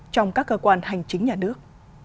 trong các cơ quan hành chính nhà nước